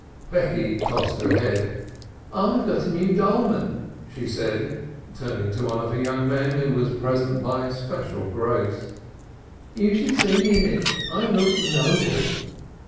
Becky tossed her head. "I've got a new dolman," she said, turning to one of her young men who was present by special grace. "You should see me in it. I look noble."